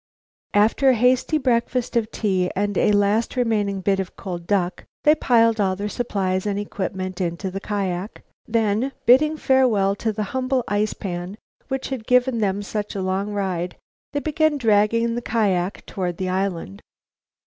After a hasty breakfast of tea and a last remaining bit of cold duck, they piled all their supplies and equipment into the kiak, then, bidding farewell to the humble ice pan which had given them such a long ride, they began dragging the kiak toward the island.